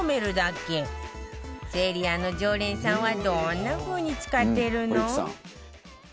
セリアの常連さんはどんな風に使ってるの？